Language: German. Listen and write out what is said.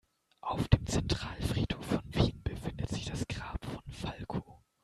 Auf dem Zentralfriedhof von Wien befindet sich das Grab von Falco.